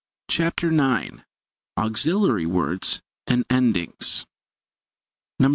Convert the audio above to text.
] CHAPTER IX AUXILIARY WORDS AND ENDINGS 96.